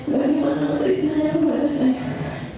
bagaimana meneritanya kepada saya